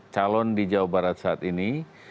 calon di jawa barat saat ini